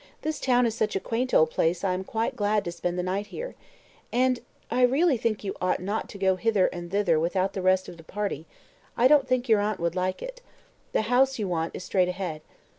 This town is such a quaint old place I am quite glad to spend the night here. And I really think you ought not to go hither and thither without the rest of the party I don't think your aunt would like it. The house you want is straight ahead."